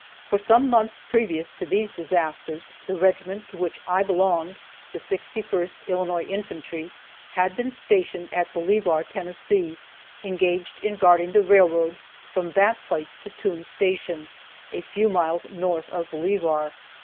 For some months previous to these disasters the regiment to which I belonged, the 61st Illinois Infantry, had been stationed at Bolivar, Tennessee, engaged in guarding the railroad from that place to Toone's Station, a few miles north of Bolivar.